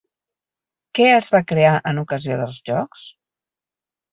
Què es va crear en ocasió dels Jocs?